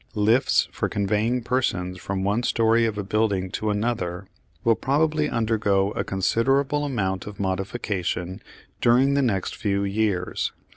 Lifts for conveying persons from one storey of a building to another will probably undergo a considerable amount of modification during the next few years.